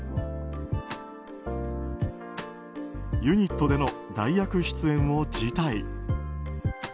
ユニットでの代役出演を辞退。